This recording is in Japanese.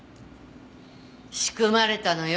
仕組まれたのよ